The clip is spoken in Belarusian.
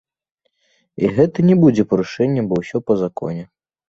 І гэта не будзе парушэннем, бо ўсё па законе.